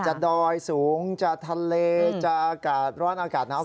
จะสูงจะทะเลจะร้อนอากาศน้ำอากาศเย็นได้หมด